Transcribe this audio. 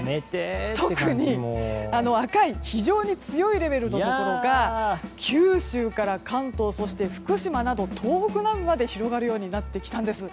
特に赤色の非常に強いレベルのところが九州から関東そして東北南部にも広がるようになってきたんです。